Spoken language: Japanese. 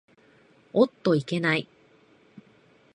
おっといけない。